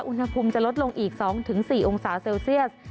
อุณหภูมิจะลดลงอีก๒๔องศาเซลเซียส